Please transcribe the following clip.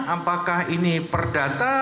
apakah ini perdata